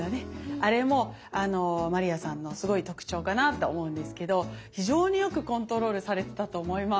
あれもまりやさんのすごい特徴かなと思うんですけど非常によくコントロールされてたと思います。